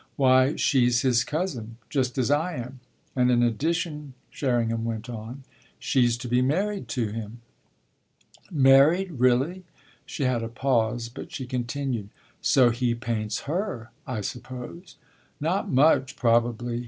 "Why she's his cousin just as I am. And in addition," Sherringham went on, "she's to be married to him." "Married really?" She had a pause, but she continued. "So he paints her, I suppose?" "Not much, probably.